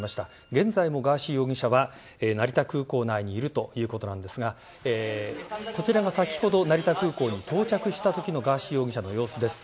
現在のガーシー容疑者は成田空港内にいるということなんですがこちらが先ほど成田空港に到着したときのガーシー容疑者の様子です。